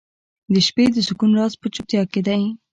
• د شپې د سکون راز په چوپتیا کې دی.